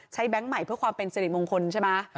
แบงค์ใหม่เพื่อความเป็นสิริมงคลใช่ไหม